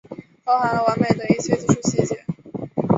包含了完美的一切技术细节